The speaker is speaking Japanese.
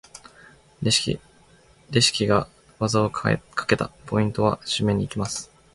レシキが技をかけた！ポイントは？締めに行きます！